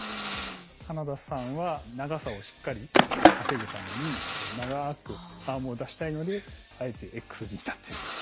花田さんは長さをしっかり稼ぐために長くアームを出したいのであえてＸ字になっていると。